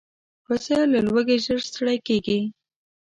پسه له لوږې ژر ستړی کېږي.